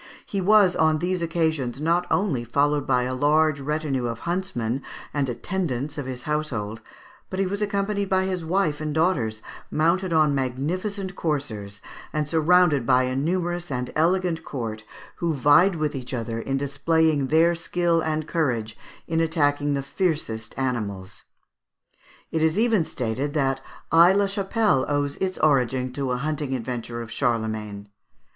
He was on these occasions not only followed by a large number of huntsmen and attendants of his household, but he was accompanied by his wife and daughters, mounted on magnificent coursers, and surrounded by a numerous and elegant court, who vied with each other in displaying their skill and courage in attacking the fiercest animals. It is even stated that Aix la Chapelle owes its origin to a hunting adventure of Charlemagne.